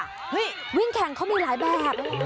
วิ่งแข่งเขามีหลายแบบ